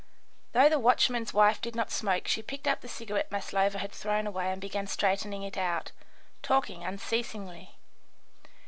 Though the watchman's wife did not smoke she picked up the cigarette Maslova had thrown away and began straightening it out, talking unceasingly.